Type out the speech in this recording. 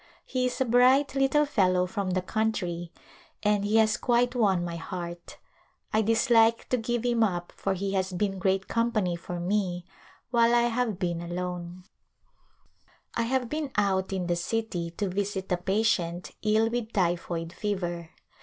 He is a bright little fellow from the country and he has quite won my heart ; I dislike to give him up for he has been great company for me while I have been alone. [ 282 ] A Visit to Besaii I have been out in the city to visit a patient ill with typhoid fever.